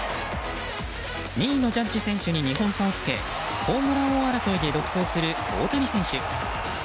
２位のジャッジ選手に２本差をつけホームラン王争いで独走する大谷選手。